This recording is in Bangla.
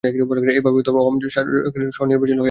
এইভাবে আহোম সাম্রাজ্যে অর্থনীতি স্ব-নির্ভরশীল করা হয়েছিল।